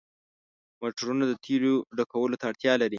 موټرونه د تیلو ډکولو ته اړتیا لري.